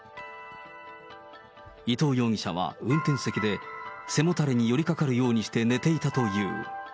伊藤容疑者は運転席で、背もたれによりかかるようにして寝ていたという。